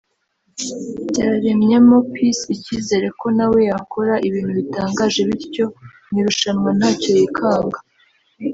byaremyemo Peace icyizere ko na we yakora ibintu bitangaje bityo ngo mu irushanwa ntacyo yikanga